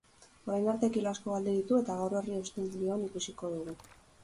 Orain arte kilo asko galdu ditu eta gaur horri eusten dion ikusiko dugu.